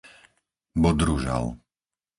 Bodružal